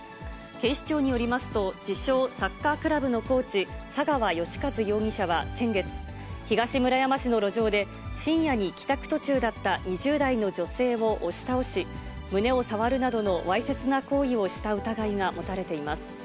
警視庁によりますと、自称サッカークラブのコーチ、佐川禎一容疑者は先月、東村山市の路上で、深夜に帰宅途中だった２０代の女性を押し倒し、胸を触るなどのわいせつな行為をした疑いが持たれています。